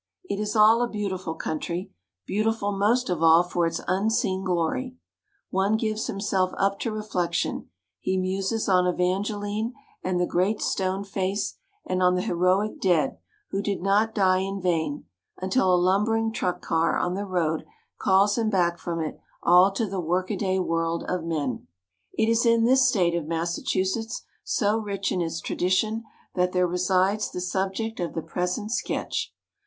It is all a beautiful country beautiful most of all for its unseen glory. One gives himself up to reflection ; he muses on Evangeline and the Great Stone Face and on the heroic dead who did not die in vain until a lumbering truck car on the road calls him back from it all to the work aday world of men. META WARRICK FULLER 61 It is in this state of Massachusetts, so rich in its tradition, that there resides the subject of the present sketch.